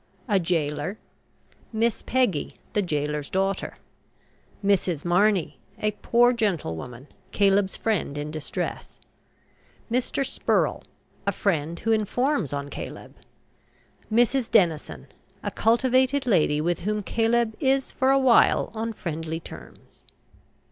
A GAOLER. MISS PEGGY, the gaoler's daughter. MRS. MARNEY, a poor gentlewoman, Caleb's friend in distress. MR. SPURREL, a friend who informs on Caleb. MRS. DENISON, a cultivated lady with whom Caleb is for a while on friendly terms.